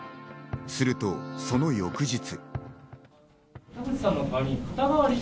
するとその翌日。